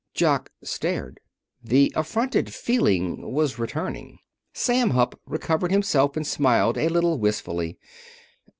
Jock stared. The affronted feeling was returning. Sam Hupp recovered himself and smiled a little wistfully.